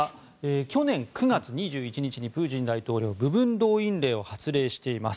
去年９月２１日にプーチン大統領、部分動員令を発令しています。